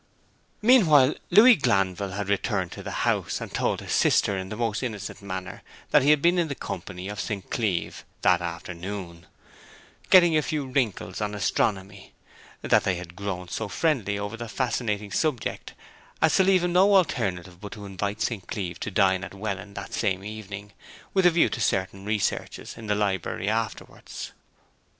Meanwhile Louis Glanville had returned to the House and told his sister in the most innocent manner that he had been in the company of St. Cleeve that afternoon, getting a few wrinkles on astronomy; that they had grown so friendly over the fascinating subject as to leave him no alternative but to invite St. Cleeve to dine at Welland the same evening, with a view to certain researches in the library afterwards.